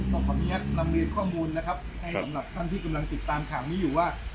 ขออนุญาตนำเรียนข้อมูลนะครับให้สำหรับท่านที่กำลังติดตามข่าวนี้อยู่ว่า